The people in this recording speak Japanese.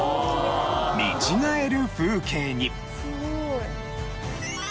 見違える風景に。